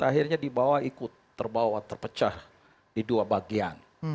akhirnya di bawah ikut terbawa terpecah di dua bagian